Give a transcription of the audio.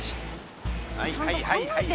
はいはいはいはい。